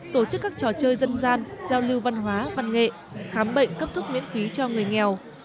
tổ chức các trò chơi dân gian giao lưu văn hóa văn nghệ khám bệnh cấp thuốc miễn phí cho người nghèo